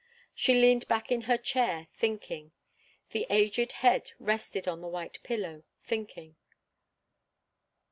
She leaned back in her chair, thinking the aged head rested on the white pillow, thinking.